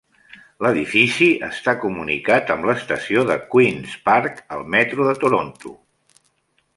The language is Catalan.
L'edifici està comunicat amb l'estació de Queen's Park al metro de Toronto.